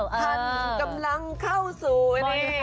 ท่านกำลังเข้าศูนย์